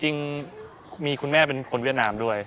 จริงมีคุณแม่เป็นคนเวียดนามด้วย